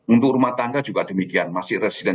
untuk rumah tangga juga demikian masih resident